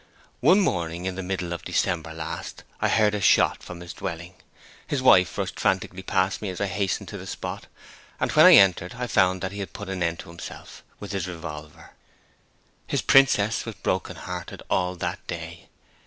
One morning in the middle of December last I heard a shot from his dwelling. His wife rushed frantically past me as I hastened to the spot, and when I entered I found that he had put an end to himself with his revolver. His princess was broken hearted all that day.